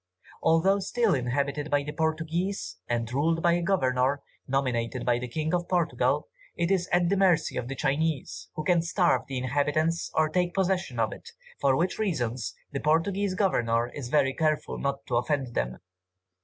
Although still inhabited by the Portuguese and ruled by a Governor, nominated by the King of Portugal, it is at the mercy of the Chinese, who can starve the inhabitants, or take possession of it, for which reasons the Portuguese Governor is very careful not to offend them."